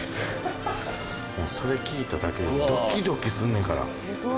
それ聞いただけでドキドキすんねんから。